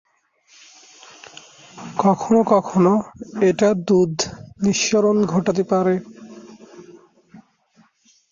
কখনো কখনো এটা দুধ নিঃসরণ ঘটাতে পারে।